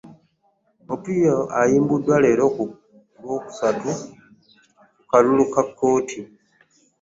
Opio ayimbuddwa leero ku Lwokusatu ku kakalu ka kkooti